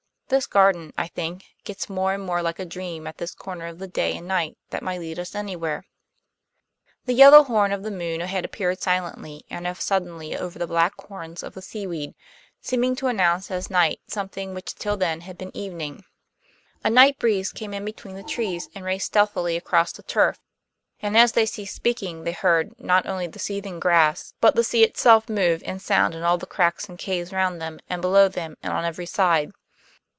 This garden, I think, gets more and more like a dream at this corner of the day and night, that might lead us anywhere." The yellow horn of the moon had appeared silently and as if suddenly over the black horns of the seaweed, seeming to announce as night something which till then had been evening. A night breeze came in between the trees and raced stealthily across the turf, and as they ceased speaking they heard, not only the seething grass, but the sea itself move and sound in all the cracks and caves round them and below them and on every side.